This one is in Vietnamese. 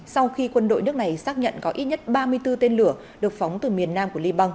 sau khi quân đội nước này xác nhận có ít nhất ba mươi bốn tên lửa được phóng từ miền nam của liban